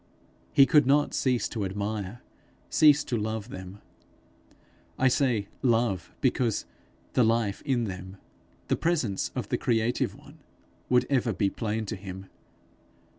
He could not cease to admire, cease to love them. I say love, because the life in them, the presence of the creative one, would ever be plain to him.